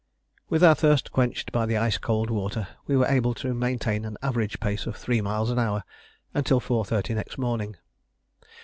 With our thirst quenched by the ice cold water, we were able to maintain an average pace of three miles an hour until 4.30 next morning.